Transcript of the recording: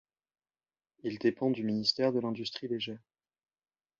Il dépend du ministère de l'industrie légère.